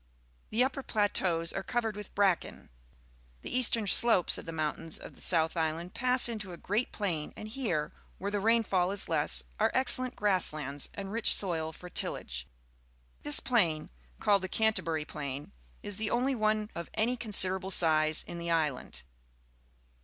The upper plateaus are covered with bracken. The eastern slopes of the mountains of South Island pass into a great plain, and here, where the rainfall is less, are excellent grass ^i.*^ A Meat freezing Station in the Hills, New Zealand lands and rich soil for tillage. This plain, called the Cnnterhurjj Plain, is the only one of any considerable size in the island.